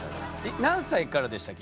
何歳からでしたっけ？